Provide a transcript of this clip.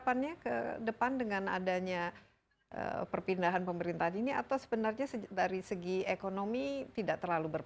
mungkin terakhir kira kira apa harapannya ke depan dengan adanya perpindahan pemerintahan ini atau sebenarnya dari segi ekonomi tidak terlalu banyak